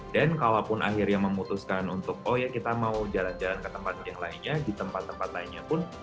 dan kalau pun akhirnya memutuskan untuk oh ya kita mau jalan jalan ke tempat yang lainnya di tempat tempat lainnya pun